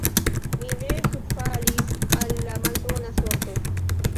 Mi ne subfalis al la malbona sorto!